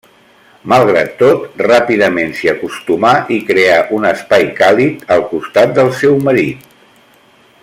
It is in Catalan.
Malgrat tot, ràpidament s'hi acostumà i creà un espai càlid al costat del seu marit.